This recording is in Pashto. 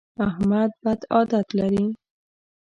احمد بد عادت لري.